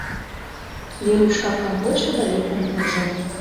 Веруш капкам почо да лектын куржо.